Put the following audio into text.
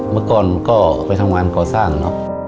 เมื่อก่อนก็ไปทำงานก่อสร้างเนอะ